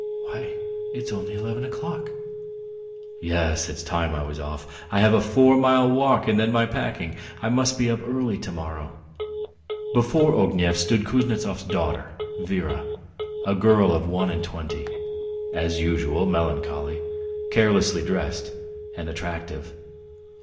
Why, it's only eleven o'clock." "Yes, it's time I was off. I have a four mile walk and then my packing. I must be up early to morrow." Before Ognev stood Kuznetsov's daughter Vera, a girl of one and twenty, as usual melancholy, carelessly dressed, and attractive.